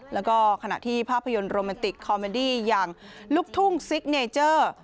แล้วก็ขณะที่ภาพยนตร์โรแมนติกคอมเมดี้อย่างลูกทุ่งซิกเนเจอร์